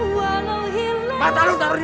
walau hilang jaya